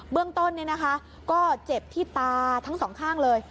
เรื่องต้นก็เจ็บที่ตาทั้งสองข้างเลย